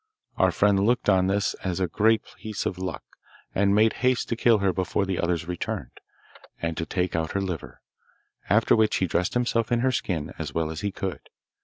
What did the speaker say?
Our friend looked on this as a great piece of luck, and made haste to kill her before the others returned, and to take out her liver, after which he dressed himself in her skin as well as he could.